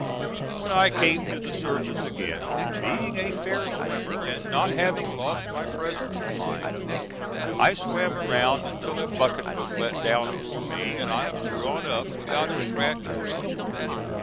When I came to the surface again, being a fair swimmer, and not having lost my presence of mind, I swam around until a bucket was let down for me, and I was drawn up without a scratch or injury.